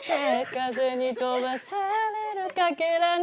「風に飛ばされる欠片に」